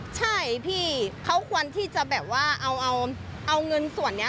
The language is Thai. ใช่พี่เขาควรที่จะแบบว่าเอาเงินส่วนนี้